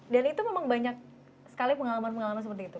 dan itu memang banyak sekali pengalaman pengalaman seperti itu